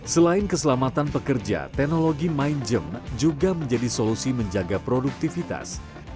selain keselamatan pekerja teknologi mind gym juga menjadi solusi menjaga produktivitas